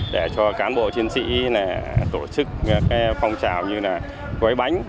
để cho cán bộ chiến sĩ tổ chức phong trào như là gói bánh